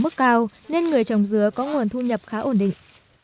mức cao nên người trồng dứa có nguồn thu nhập khá ổn định